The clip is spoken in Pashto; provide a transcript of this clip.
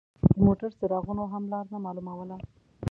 د موټر څراغونو هم لار نه مالوموله.